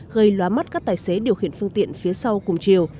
gây loá mắt các tài xế điều khiển phương tiện phía sau cùng chiều